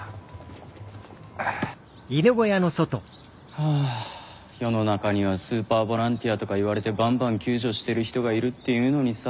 はぁ世の中には「スーパーボランティア」とか言われてバンバン救助してる人がいるっていうのにさ。